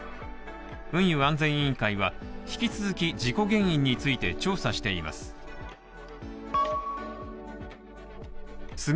運輸安全委員会は、引き続き事故原因について調査しています。